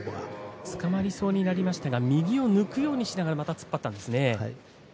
つかまりそうになりましたが右を抜きながら突っ張ったんですね。